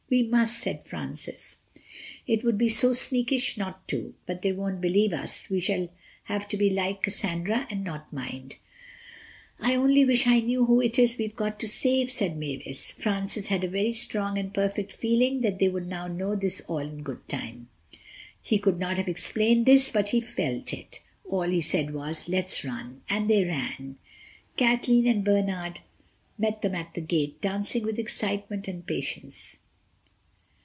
"We must," said Francis, "it would be so sneakish not to. But they won't believe us. We shall have to be like Cassandra and not mind." "I only wish I knew who it is we've got to save," said Mavis. Francis had a very strong and perfect feeling that they would know this all in good time. He could not have explained this, but he felt it. All he said was, "Let's run." And they ran. Kathleen and Bernard met them at the gate, dancing with excitement and impatience.